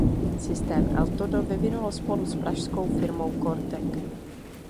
Systém Eltodo vyvinulo spolu s pražskou firmou Cortec.